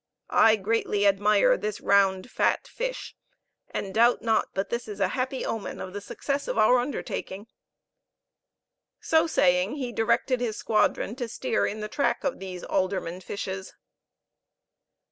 I greatly admire this round fat fish, and doubt not but this is a happy omen of the success of our undertaking." So saying, he directed his squadron to steer in the track of these alderman fishes.